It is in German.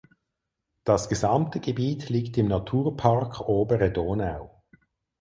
Das gesamte Gebiet liegt im Naturpark Obere Donau.